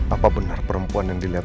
apa benar perempuan yang dilihat